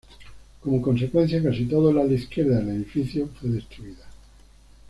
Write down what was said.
Como consecuencia casi todo el ala izquierda del edificio fue destruida.